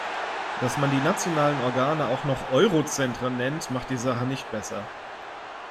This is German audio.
Dass man die nationalen Organe auch noch "Eurozentren" nennt, macht die Sache nicht besser.